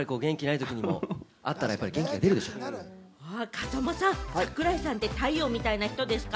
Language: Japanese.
風間さん、櫻井さんって太陽みたいな人ですか？